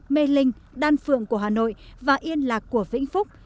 mê linh đan phượng của hà nội và yên lạc của vĩnh phúc